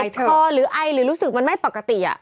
พอหรือไอหรือรู้สึกมันไม่ปกติ